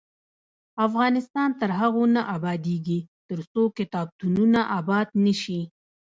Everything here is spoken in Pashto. افغانستان تر هغو نه ابادیږي، ترڅو کتابتونونه اباد نشي.